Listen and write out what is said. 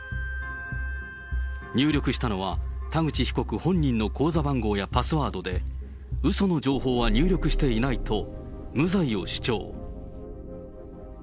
入力したのは、田口被告本人の口座番号やパスワードで、うその情報は入力していないと、無罪を主張。